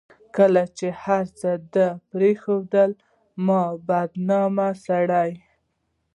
کلي هر چا دې پريښودلي ما بدنامه سره